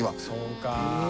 そうか。